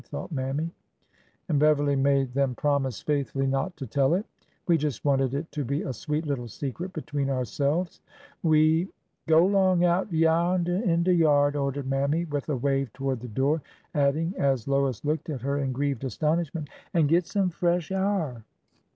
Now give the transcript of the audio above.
" thought Mammy),— '' and Beverly made them promise faithfully not to tell it. We just wanted it to be a sweet little secret between ourselves. We—" " Go 'long out hyarnder in de yard 1 " ordered Mammy, with a wave toward the door— adding, as Lois looked at her in grieved astonishment, an' git some fresh a'r."